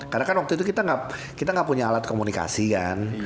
karena kan waktu itu kita gak punya alat komunikasi kan